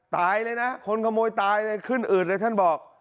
ตายเลยนะคนขโมยตายเลยขึ้นอืดเลยท่านบอก